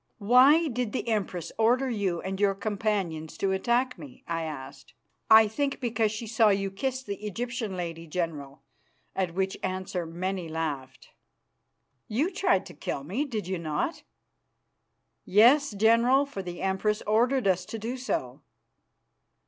"Why did the Empress order you and your companions to attack me?" I asked. "I think because she saw you kiss the Egyptian lady, General," at which answer many laughed. "You tried to kill me, did you not?" "Yes, General, for the Empress ordered us so to do."